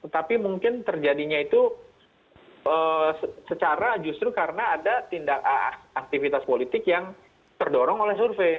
tapi mungkin terjadinya itu secara justru karena ada tindak aktivitas politik yang terdorong oleh survei